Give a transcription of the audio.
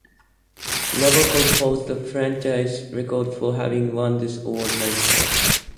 Nabokov holds the franchise-record for having won this award nine times.